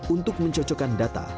untuk mencocokkan data